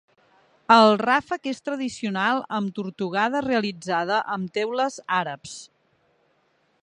El ràfec és tradicional amb tortugada realitzada amb teules àrabs.